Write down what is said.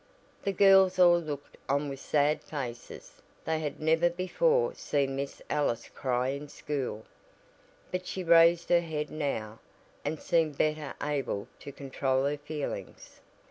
The girls all looked on with sad faces. They had never before seen Miss Ellis cry in school. But she raised her head now, and seemed better able to control her feelings.